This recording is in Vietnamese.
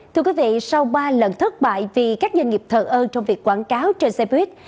thưa quý vị sau ba lần thất bại vì các doanh nghiệp thờ ơ trong việc quảng cáo trên xe buýt